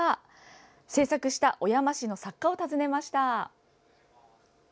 制作した小山市の作家を訪ねました。